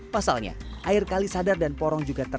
pasalnya air kalisadar dan porong juga terkena